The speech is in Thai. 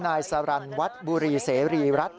นายสาลันทร์วัฒน์บุรีเสรีรัช